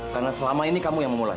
karena selama ini kamu yang memulai